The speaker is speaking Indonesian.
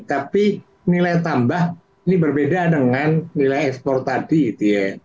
tapi nilai tambah ini berbeda dengan nilai ekspor tadi gitu ya